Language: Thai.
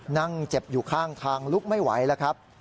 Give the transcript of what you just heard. นั่งเจ็บอยู่ข้างทางลุกไม่ไหวแล้วครับ